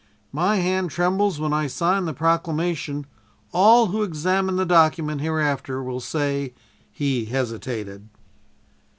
If my hand trembles when I sign the Proclamation, all who examine the document hereafter will say: "'He hesitated.'"